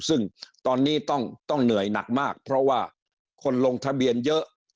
ซึ่งตอนนี้ต้องเหนื่อยหนักมากเพราะว่าคนลงทะเบียนเยอะ